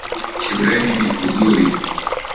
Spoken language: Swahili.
Shuleni ni kuzuri